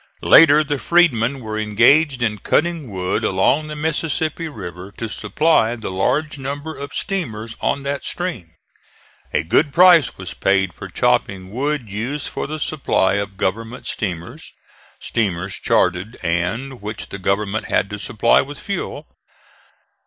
Later the freedmen were engaged in cutting wood along the Mississippi River to supply the large number of steamers on that stream. A good price was paid for chopping wood used for the supply of government steamers (steamers chartered and which the government had to supply with fuel).